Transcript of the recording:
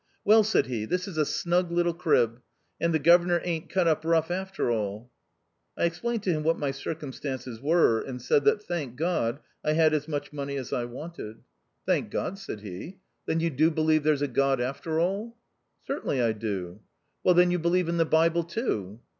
" Well," said he, " this is a snug little crib ; and the Gover nor aint cut up rough after all ?" I explained to him what my circum stances were, and said that, " Thank God, I had as much money as I wanted." THE OUTCAST. 163 " Thank God !" said he. " Then you do believe there's a God, after all ?"" Certainly, I do." " Well, then, you believe in the Bible, too?"